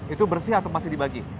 itu bersih atau masih dibagi